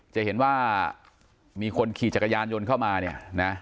จะเห็นว่ามีคนขี่จักรยานยนต์เข้ามาเนี่ยนะ